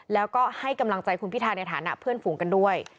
แล้วก็ให้กำลังใจคุณพิธาในฐานะเพื่อนฝูงกันด้วย